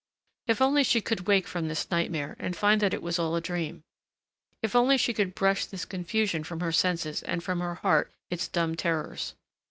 If only she could wake from this nightmare and find that it was all a dream. If only she could brush this confusion from her senses and from her heart its dumb terrors....